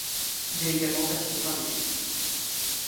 Il est également passionné par l'Égypte.